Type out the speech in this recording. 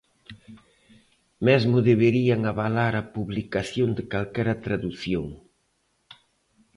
Mesmo deberían avalar a publicación de calquera tradución.